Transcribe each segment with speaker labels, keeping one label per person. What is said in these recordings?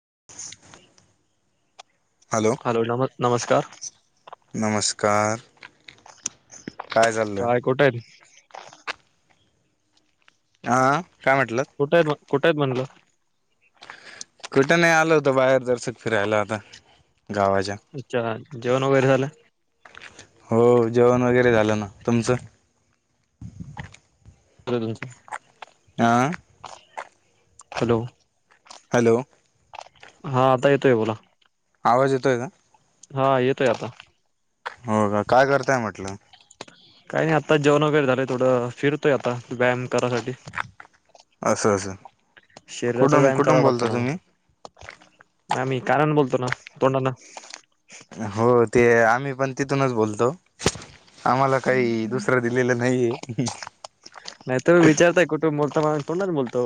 Speaker 1: [inaudible]
Speaker 2: Hello नम नमस्कार
Speaker 1: कार
Speaker 2: काय कोठेल
Speaker 1: हा काय म्हटलं
Speaker 2: कुठ आहेते म्हणलं
Speaker 1: कुठे नाही आलं होतं बाहेर दर्शत फिरायला आता गावाच्या
Speaker 2: अच्छा जेवण वगैरे झालं
Speaker 1: हो जेवण वगैरे झालं ना तुमचं
Speaker 2: ब तुमचं
Speaker 1: हा
Speaker 2: हॅलो
Speaker 1: हॅलो
Speaker 2: हा आता येतोय बोला
Speaker 1: आवाज येतोय का
Speaker 2: हा येतोय आता
Speaker 1: हो का काय करताय म्हटलं
Speaker 2: काही नाही आता जेवण वगैर झाले थोडं फिरतोय आता व्यायाम करायसाठी
Speaker 1: असं असं
Speaker 2: शरीराचा
Speaker 1: कुठून
Speaker 2: व्यायाम
Speaker 1: कुठून
Speaker 2: करावा लागतो
Speaker 1: बोलता
Speaker 2: ना
Speaker 1: तुम्ही
Speaker 2: नाही मी कारण बोलतो ना तोंडाना
Speaker 1: हो ते आम्ही पण तिथूनच बोलतो आम्हाला काही दुसरं दिलेलं नाहीये
Speaker 2: नाही तु मी विचारताय कुठे बोलता म्ह कोणच बोलतो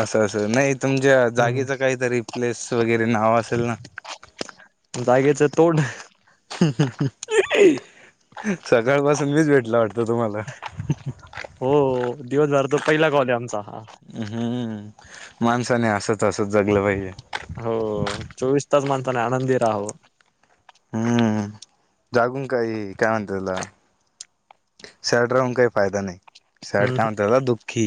Speaker 1: असं असं नाही तुमच्या
Speaker 2: हम्म
Speaker 1: जागेच काहीतरी प्लेस वगैरे नाव असेल ना
Speaker 2: जागेच तोंड
Speaker 1: सकाळ पाासून मीच भेटला वाटत तुम्हाला
Speaker 2: हो दिवसभर तो पहिला कॉल आहे आमचा हा
Speaker 1: हम्म माणसाने असत असत जगलं पाहिजे
Speaker 2: हो चोवीस तास माणसाने आनंदी राहो
Speaker 1: हम्म जागू काय काय म्हणते तुला सॅड राहून काही फायदा नाही सॅड
Speaker 2: हम्म
Speaker 1: काय म्हणत्यात दुःखी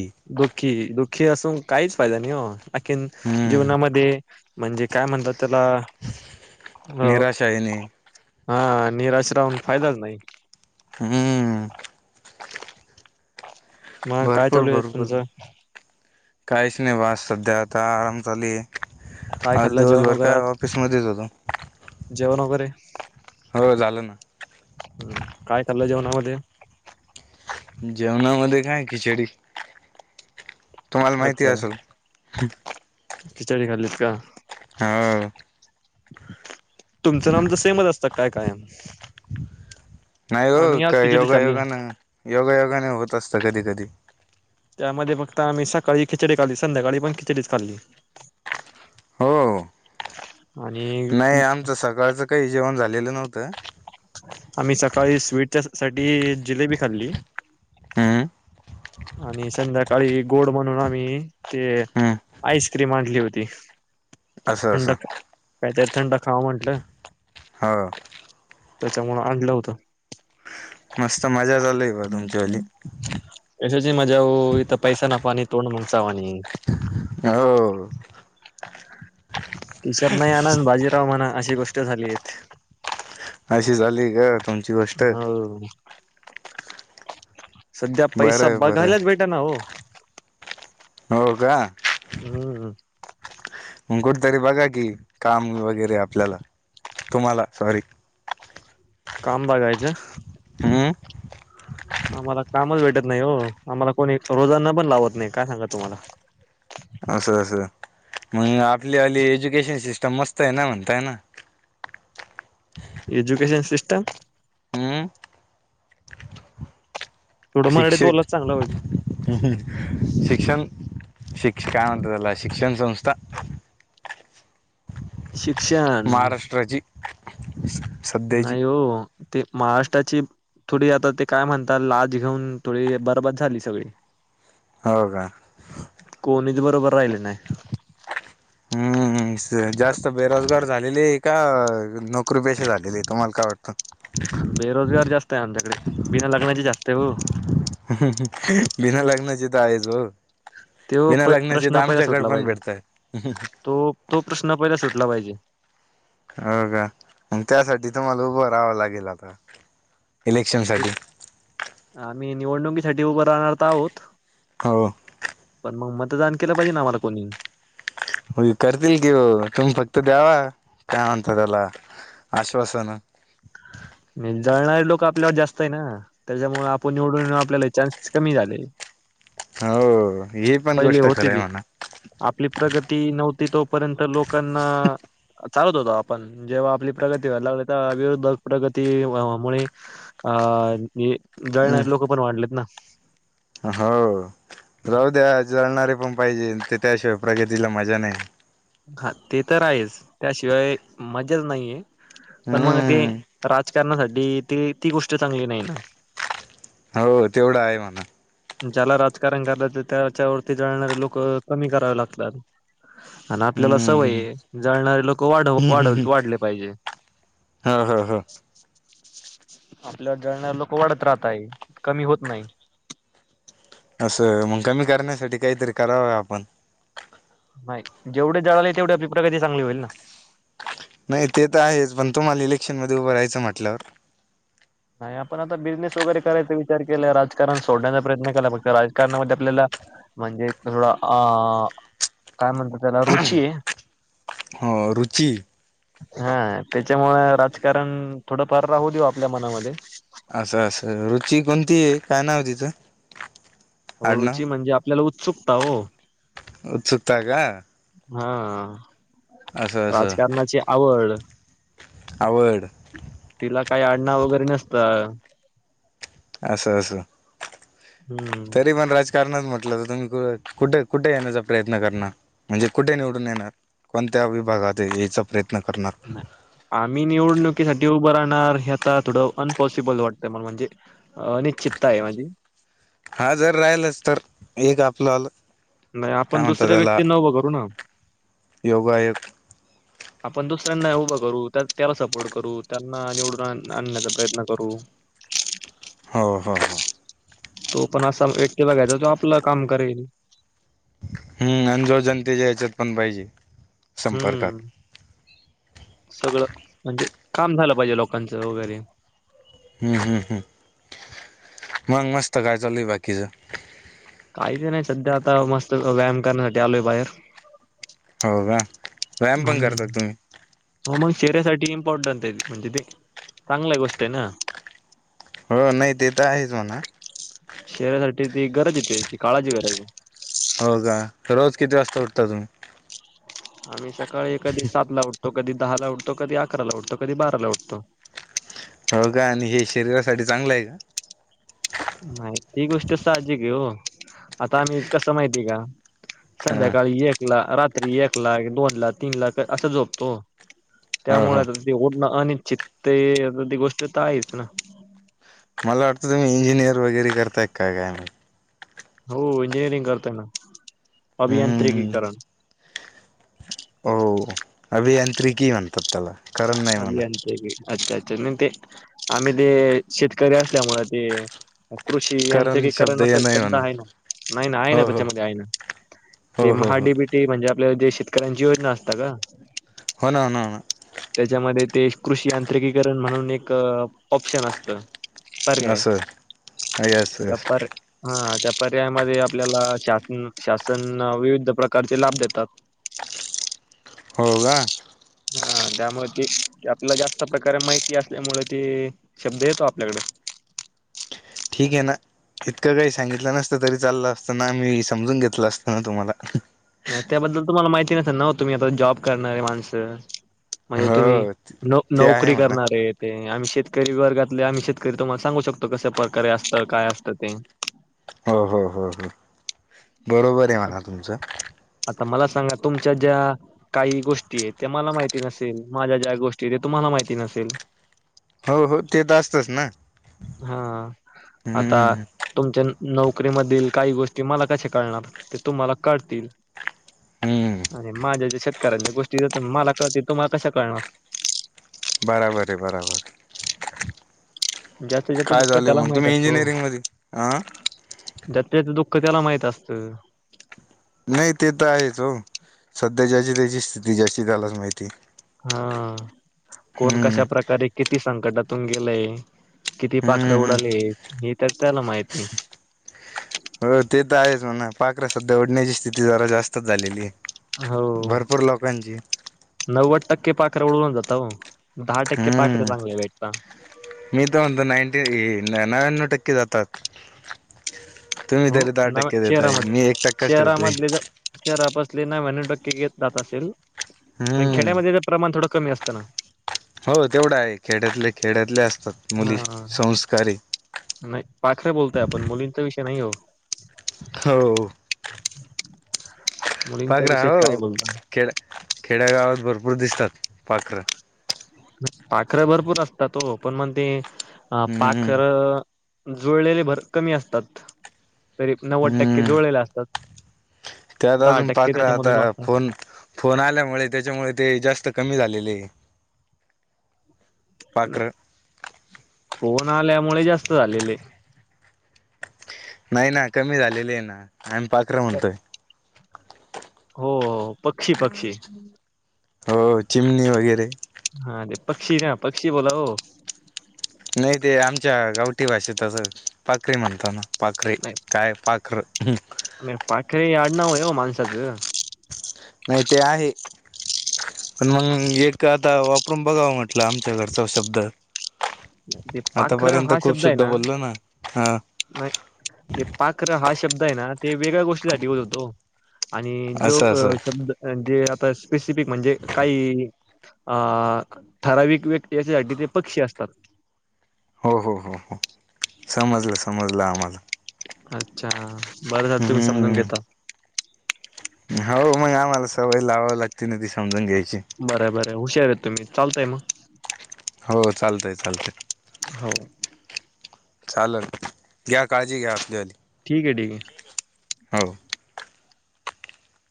Speaker 2: खे असून काहीच फायदा नाही हो आणखी
Speaker 1: हम्म
Speaker 2: जीवनामध्ये म्हणजे काय म्हणतात त्याला अ
Speaker 1: निराशा येणे
Speaker 2: हा निराश राहून फायदाच नाही
Speaker 1: हम्म
Speaker 2: मग काय
Speaker 1: भरपूर
Speaker 2: चालू आहे
Speaker 1: भरपूर
Speaker 2: तुमचं
Speaker 1: काहीच नाही बाज सध्या आता आराम चालू आहे
Speaker 2: काय
Speaker 1: आज
Speaker 2: खाल्लं जेवण
Speaker 1: दिवसभर काय
Speaker 2: वगैरे
Speaker 1: ऑफिस मध्येच होतो
Speaker 2: जेवण वगैरे हम्
Speaker 1: हो झालं ना
Speaker 2: काय कलं जेवणामध्ये
Speaker 1: जेवणामध्ये काय खिचडी तुम्हाला माहिती
Speaker 2: अच्छा
Speaker 1: असेल
Speaker 2: खिचडी खाल्लीत का
Speaker 1: हो
Speaker 2: तुमचं नाम तर सेमच असतं काय कायम
Speaker 1: नाही ग
Speaker 2: आम्ही आज
Speaker 1: का
Speaker 2: खिचडी खाल्ली
Speaker 1: योगायोगाने योगायोगाने होत असत कधी कधी
Speaker 2: त्यामध्ये फक्त आम्ही सकाळी खिचडी खाल्ली संध्याकाळी पण खिचडीत खाल्ली
Speaker 1: हो
Speaker 2: आणि
Speaker 1: नाही आमचं सकाळचं काही जेवण झालेलं नव्हतं
Speaker 2: आम्ही सकाळी स्वीटच्या साठी जिलेबी खाल्ली
Speaker 1: हम्म
Speaker 2: आणि संध्याकाळी गोड म्हणून आम्ही ते.
Speaker 1: हम्म
Speaker 2: आईस्क्रीम आणली होती.
Speaker 1: असं
Speaker 2: थंड
Speaker 1: असं
Speaker 2: काय तरी थंड खावं म्हटलं.
Speaker 1: हो.
Speaker 2: त्याच्यामुळं आणलं होतं.
Speaker 1: मस्त मजा चालीये बुआ तुमची हल्ली.
Speaker 2: कसली मजा भाऊ इथं पैसा ना पाणी तोंड मुगसावानी.
Speaker 1: [unintelligible]
Speaker 2: खिशात नाही आणा आणि बाजीराव म्हणा अशी गोष्ट झाली इथे.
Speaker 1: अशी झालीये का तुम.
Speaker 2: हा सध्या पैसा
Speaker 1: बरं बरं
Speaker 2: बघायलाच भेटंना ओ.
Speaker 1: हो का.
Speaker 2: हम्म
Speaker 1: कुठेतरी बघा कि काम वगैरे आपल्याला तुम्हाला सॉरी.
Speaker 2: काम बघायचं.
Speaker 1: हम्म
Speaker 2: आम्हाला कामच भेटत नाही हो आम्हाला कोणी रोजगारला पण लावत नाही काय सांगायचं तुम्हाला.
Speaker 1: [unintelligible] असं असं मंग आपली आली एज्युकेशन सिस्टम मस्त आहे ना म्हणताय ना.
Speaker 2: Education system.
Speaker 1: हम्म
Speaker 2: थोडं मराठीत
Speaker 1: शिक्षक.
Speaker 2: बोललात चांगलं होईल.
Speaker 1: शिक्षण काय म्हणता त्याला शिक्षण संस्था.
Speaker 2: शिक.
Speaker 1: महाराष्ट्राची सध्याची
Speaker 2: नाही हो ते महाराष्ट्राची थोडी आता ते काय म्हणतात लाच घेऊन थोडी बर्बाद झाली सगळी.
Speaker 1: हो का.
Speaker 2: कोणीच बरोबर राहिले नाय.
Speaker 1: हम्म जास्त बेरोजगार झालेले आहे का नोकरी पेशा झालेले आहे तुम्हाला काय वाटतं.
Speaker 2: बेरोजगार जास्त आहे आमच्याकडे बिना लग्णाची जास्त आहे ओ.
Speaker 1: बिना लग्नाची तर आहेच ओ.
Speaker 2: ते ओ प प्रश्न पहिला सुटला
Speaker 1: पण भेटतय
Speaker 2: पाहिजे तो तो प्रश्न पहिला सुट. सुटला पाहिजे.
Speaker 1: हो का मंग त्यासाठी तुम्हाला उभं राहावं लागेल आता. इलेक्शनसाठी.
Speaker 2: मी निवडणुकीसाठी उभं राहणार तर आहोत.
Speaker 1: हो.
Speaker 2: पण मग मतदान केलं पाहिजे ना आम्हाला कोणी.
Speaker 1: होय करतील की ओ तुम्ही फक्त द्यावा काय म्हणता त्याला. आश्वासनं.
Speaker 2: जळणारे लोकं आपल्यावर जास्त आहे ना त्याच्यामुळं आपण निवडून येणं आपल्याला चान्सच कमी झाले.
Speaker 1: हो ही पण
Speaker 2: पहिले
Speaker 1: गोष्ट खरी
Speaker 2: होते ते
Speaker 1: आहे म्हणा.
Speaker 2: आपली प्रगती नव्हती तोपर्यंत लोकांना चालत होतो आपण जेव्हा आपली प्रगती व्हायला लागली तेव्हा विरुद्ध प्रगती व्हावामुळे अ अ आणि
Speaker 1: म्हणा
Speaker 2: जळणारे लोकं पण वाढलेत ना.
Speaker 1: हो जाऊ द्या. जळणारे पण पाहिजेत ते त्याशिवाय प्रगतीला मजा नाही.
Speaker 2: हा ते तर आहेच त्याशिवाय मज्जाच नाहीये. पण मग ते
Speaker 1: हम्म
Speaker 2: राजकारणासाठी ते ती गोष्ट चांगली नाही ना.
Speaker 1: हो तेवढं आहे म्हणा.
Speaker 2: ज्याला राजकारण करायचं त्याच्या वरती जाळणारे लोक कमी करावे लागतात. आणि आपल्याला
Speaker 1: हम्म
Speaker 2: सवयी जाळणारे लोक वाढ वाढव वाढले पाहिजेत.
Speaker 1: हा हा हां
Speaker 2: आपल्यावर जळणार लोक वाढत राहत आहेत कमी होत नाहीत.
Speaker 1: असं मग कमी करण्यासाठी काहीतरी कराव आपण!
Speaker 2: नाही जेवढे जाळाले तेवढी आपली प्रगती चांगली होईल ना.
Speaker 1: ईलेक्शनमध्ये उभं राहायचं म्हटल्यावर,
Speaker 2: नाही आपण आता बिझनेस वगैरे करायचा विचार केला राजकारण सोडण्याचा प्रयत्न केला फक्त राजकारणामध्ये आपल्याला म्हणजे थोडं अ काय म्हणतात त्याला रुची आहे.
Speaker 1: ह रुची
Speaker 2: हा त्याच्यामुळे राजकारण थोडंफार राहू देऊ आपल्या मनामध्ये
Speaker 1: असं असं रुची कोणती आहे काय नाव तिचं
Speaker 2: हो
Speaker 1: आडनाव
Speaker 2: रुची म्हणजे आपल्याला उत्सुकता हो.
Speaker 1: उत्सुकता का?
Speaker 2: हा
Speaker 1: असं असं
Speaker 2: राजकारणाची आवड,
Speaker 1: आवड
Speaker 2: तिला काही अडनाव वगैरे नसतं.
Speaker 1: अस अस
Speaker 2: हम्म
Speaker 1: तरी पण राजकारणात म्हट ल तर तुम्ही कुठे कुठे येण्याचा प्रयत्न करणार म्हणजे कुठे निवडून येणार. कोणत्या विभागात यायचा प्रयत्न करणार
Speaker 2: आम्ही निवडणुकीसाठी उभं राह णार हे आता थोडं अनपॉसिबल वाटतं म्हणजे अनिश्चितता आहे आम्ही
Speaker 1: हा जर राहिलच तर एक आपलं आलं
Speaker 2: नाही
Speaker 1: काय
Speaker 2: आपण
Speaker 1: म्हणत्यात
Speaker 2: दुसऱ्या
Speaker 1: याला
Speaker 2: व्यक्तींना उभं करू ना
Speaker 1: योगायोग,
Speaker 2: आपण दुसऱ्यांना उभं करू, त्यात त्याला सपोर्ट करू, त्यांना निवडून आण आणण्याचा प्रयत्न करू,
Speaker 1: हो हो हो
Speaker 2: तो पण असा व्यक्ती बघायचा तो आपलं काम करेल.
Speaker 1: हम्म अन जो जनतेच्या ह्यच्यात पण पाहिजे. संपर्कात
Speaker 2: हम्म सगळं म्हणजे काम झालं पाहिजे लोकांचं वगैरे
Speaker 1: हम्म हम् हम् मग मस्त काय चालय बाकीच,
Speaker 2: काहीबी नाही सध्या आता मस्त व. व्यायाम करण्यासाठी आलोय बाहेर
Speaker 1: हो का व्यायाम पण करतात तुम्ही?
Speaker 2: शरीरासाठी इम्पॉर्टंट आहे म्हणजे ते चांगल्या गोष्ट आहे ना
Speaker 1: हो नाही ते तर आहेच म्हणा
Speaker 2: शरीरासाठी ती गरज आहे ते ती काळाची गरज आहे.
Speaker 1: हो का रोज किती वाजता उठता तुम्ही
Speaker 2: आम्ही सकाळी एखादी सात ला उठतो. तो कधी दहा ला उठतो, कधी अकराला उठतो, कधी बाराला उठतो.
Speaker 1: हो का आणि हे शरीरासाठी चांगलं आहे का
Speaker 2: नाही ती गोष्ट साहजिक आहे हो आता आम्ही कसं माहितीय का?
Speaker 1: हा
Speaker 2: संध्याकाळी एक ला रात्री, एक ला, दोन ला, तीन ला, असं झोपतो.
Speaker 1: हो
Speaker 2: त्यामुळे
Speaker 1: हो
Speaker 2: आता ते उठणं अनिश्चित आ ती गोष्ट तर आहेच ना
Speaker 1: मला वाटतं तुम्ही इंजिनियर वगैरे करताय काय माहीत?
Speaker 2: हो इंजिनिअरिंग करतोय ना
Speaker 1: हम्म
Speaker 2: अभियांत्रिकीकरण
Speaker 1: हो अभियांत्रिकी म्हणतात त्याला करण नाही म्हणत
Speaker 2: अभियांत्रिकी अच्छा अच्छा नाही ते आम्ही ते शेतकरी असल्यामुळं ते कृषी यांत्रिकीकरण
Speaker 1: शब्द
Speaker 2: करण असा
Speaker 1: ये नाही
Speaker 2: शब्द
Speaker 1: म्हणा
Speaker 2: आहे ना, नाही ना, आहे ना,
Speaker 1: हो हो
Speaker 2: त्याच्यामध्ये आहे ना ते
Speaker 1: हो हो हो
Speaker 2: महाडीबीटी म्हणजे आपल्या जे शेतकऱ्यांची योजना असत का
Speaker 1: हो ना होन हो ना
Speaker 2: त्याच्यामध्ये ते कृषीयांत्रि तर
Speaker 1: ना असं यस यस
Speaker 2: काय पर्यायामध्ये आपल्याला श शासन विविध प्रकारचे लाभ देतात
Speaker 1: हो का
Speaker 2: हा त्यामुळे ते आपला जास्त प्रकारे माहिती असल्यामुळे ते शब्द येतो आपल्याकडे
Speaker 1: ठीक आहे ना इतकं काही सांगितलं नसतं तरी चाललं असतं ना आम्ही समजून घेतलं असत ना तुम्हाला
Speaker 2: नाही त्याबद्दल तुम्हाला माहिती नसेल ना तुम्ही आता जॉब करणारे माणसं म्हणजे तुम्ही
Speaker 1: हो
Speaker 2: न
Speaker 1: ते आहे
Speaker 2: नोकरी
Speaker 1: म्हणा
Speaker 2: करणारे य ते आम्ही शेत शेतकरी वर्गातले आम्ही शेतकरी तुम्हाला सांगू शकतो कश्या प्रकारे असत काय असतं ते
Speaker 1: हो हो हो बरोबर आहे म्हणा तुमचं
Speaker 2: आता मला सांगा तुमच्या ज्या काही गोष्टी आहेत त्या मला माहिती नसेल माझ्या ज्या गोष्टी ते तुम्हाला ला माहिती नसेल
Speaker 1: हो हो ते तर असतच ना
Speaker 2: हा आता
Speaker 1: हम्मम
Speaker 2: तुमच्या नोकरीमधील काही गोष्टी मला कश्या कळणार ते तुम्हाला कळतील
Speaker 1: हम्
Speaker 2: अरे माझ्या ज शेतकऱ्यांच्या गोष्टी ज मला कळते तुम्हाला कशा कळणार
Speaker 1: बराबर आहे बराबर आहे.
Speaker 2: ज्याचं ज्याचं
Speaker 1: काय
Speaker 2: दुःख
Speaker 1: झालंय
Speaker 2: त्याला
Speaker 1: मग
Speaker 2: माहित
Speaker 1: तुम्ही
Speaker 2: असतं हो
Speaker 1: इंजिनिअरिंग मध्ये अ
Speaker 2: ज्यांचं त्याच दुःख त्याला माहित असत
Speaker 1: नाही ते तर आहेच हो सध्या ज्याची त्याची स्थिती ज्याची त्यालाच माहिती
Speaker 2: हा कोण
Speaker 1: हम्म
Speaker 2: कशा प्रकारे किती संकटातून गेलेय किती पाखर
Speaker 1: हम्म
Speaker 2: उडाले हे तर त्याला माहिती
Speaker 1: हो ते तर आहेच म्हणा पाखरा सध्या ओढण्याची स्थिती जरा जास्तच झालेली आहे
Speaker 2: हो
Speaker 1: भरपूर लोकांची
Speaker 2: नव्व नव्हद टक्के पाखरे उडून जातात हो दहा टक्के पाखर
Speaker 1: हम्म
Speaker 2: चांगली भेटतात
Speaker 1: मी तर म्हणतो नाईंटी नव्याण्णव टक्के जातात तुम्ही
Speaker 2: हो
Speaker 1: त्यारी दहा
Speaker 2: न
Speaker 1: टक्के देताय मी एक टक्काच ठेवतोय
Speaker 2: शहरापस्ले नव्यानव टक्के जात असेल पण
Speaker 1: हम्म
Speaker 2: खेड्यामध्ये प्रमाण थोड [unintelligible] कमी असताना
Speaker 1: हो तेवढा आहे खेड्यातले खेड्यातले असतात मुली
Speaker 2: ना हा
Speaker 1: संस्कारी
Speaker 2: नाही पाखरे बोलतोय आपण मुलींचा विषय नाही हो
Speaker 1: हो
Speaker 2: [inaudible]
Speaker 1: पाखरा
Speaker 2: विषय
Speaker 1: हो
Speaker 2: काय बोलता
Speaker 1: खेड खेड्या गावात भरपूर दिसतात पाखर
Speaker 2: पाखर भरपूर असतात हो पण मग ते अ
Speaker 1: हम्म
Speaker 2: पाखर जुळलेले भर कमी असतात तरी नव्वद टक्के
Speaker 1: हम्म
Speaker 2: जुळलेले असतात
Speaker 1: त्यात
Speaker 2: दहा
Speaker 1: अजून
Speaker 2: टक्के
Speaker 1: पाखरं आता
Speaker 2: त्याच्यामधून वाचतात.
Speaker 1: फोन फोन आल्यामुळे त्याच्यामुळे ते जास्त कमी झालेले पाखरं
Speaker 2: फोन आल्यामुळे जास्त झालेले
Speaker 1: नाही ना कमी झालेले आहे ना आम्ही पाखरं म्हणतोय
Speaker 2: हो पक्षी पक्षी
Speaker 1: हो चिमणी वगैरे
Speaker 2: हा ते पक्षी का पक्षी बोला हो
Speaker 1: नाही ते आमच्या गावठी भाषेतच पाखरी म्हणतो ना पाखरी काय पाखर
Speaker 2: अ पाखरी आडना होव माझस
Speaker 1: नाही ते आहे पण मग एक आता वापरून बघावं म्हटलं आमच्या घरचा शब्द
Speaker 2: ते पाखर
Speaker 1: आतापर्यंत
Speaker 2: हा
Speaker 1: खूप
Speaker 2: शब्द आहे
Speaker 1: शुद्ध बोललो ना हा
Speaker 2: हे पाक्र हा शब्द ते वेगळ्या गोष्टीसाठी होत होतो आणि जो
Speaker 1: असं असं
Speaker 2: शब्दे स्पेसिफिक म्हणजे काही अ ठराविक व्यक्ती याच्यासाठी ते पक्षी असात तक
Speaker 1: हो हो हो हो समजलं समजलं आम्हाला
Speaker 2: अच्छा बरं झार तुम्ही समजून
Speaker 1: हम्म
Speaker 2: घेता
Speaker 1: हो मग आम्हाला सवय लावाव लागते ना ती समजून घ्यायची
Speaker 2: बर बर हुशार आहेत तुम्ही चालताय मग
Speaker 1: हो चालतय चालतय
Speaker 2: हो
Speaker 1: चालेल घ्या काळजी घ्या आपली हली
Speaker 2: ठीक आहे ठीक आहे
Speaker 1: हो